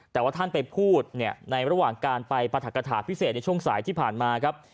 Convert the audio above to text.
แต่ว่าท่านไปพูดเนี่ยในระหว่างการไปปรัฐกฐาพิเศษในช่วงสายที่ผ่านมาครับ